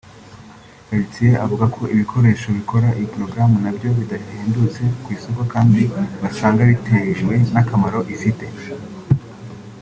Heritier avuga ko ibikoresho bikora iyi porogaramu na byo bidahendutse ku isoko kandi basanga bitewe n’akamaro ifite